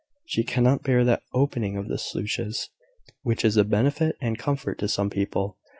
She cannot bear that opening of the sluices, which is a benefit and comfort to some people.